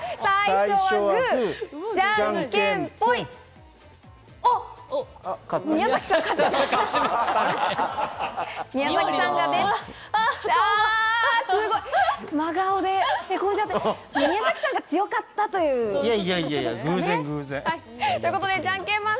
最初はグ、じゃんけん、ポン！